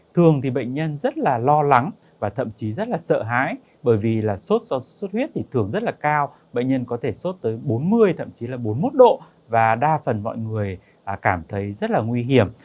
bệnh nhân thường rất lo lắng và thậm chí rất sợ hãi bởi vì sốt xuất huyết thường rất cao bệnh nhân có thể sốt tới bốn mươi thậm chí là bốn mươi một độ và đa phần mọi người cảm thấy rất nguy hiểm